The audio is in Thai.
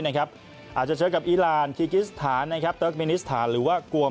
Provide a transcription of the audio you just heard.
อาจจะเจอกับอีรานคิกิสถานเติร์กมินิสถานหรือว่ากวม